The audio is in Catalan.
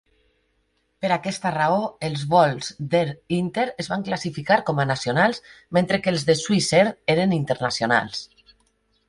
Per aquesta raó, els vols d'Air Inter es van classificar com a nacionals mentre que els de Swissair eren internacionals.